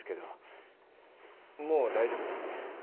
もう大丈夫なんで。